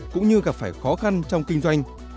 cũng như gặp phải khó khăn trong kinh doanh